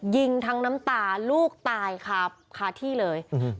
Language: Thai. ยิงทั้งน้ำตาลูกตายครับขาดที่เลยอืม